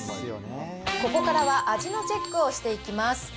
ここからは、味のチェックをしていきます。